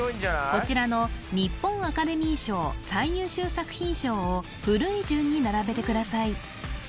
こちらの日本アカデミー賞最優秀作品賞を古い順に並べてください